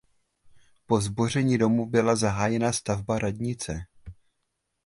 Po zboření domu byla zahájena stavba radnice.